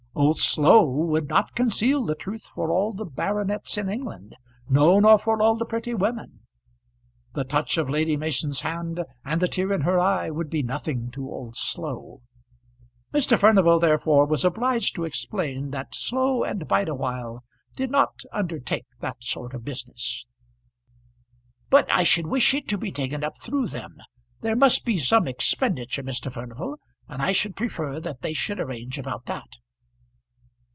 Old Slow would not conceal the truth for all the baronets in England no, nor for all the pretty women. The touch of Lady Mason's hand and the tear in her eye would be nothing to old Slow. Mr. Furnival, therefore, was obliged to explain that Slow and Bideawhile did not undertake that sort of business. "But I should wish it to be taken up through them. There must be some expenditure, Mr. Furnival, and I should prefer that they should arrange about that."